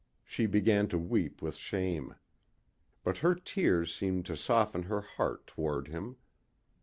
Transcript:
She began to weep with shame. But her tears seemed to soften her heart toward him.